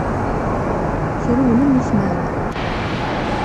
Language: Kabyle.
Trewlem i tmara.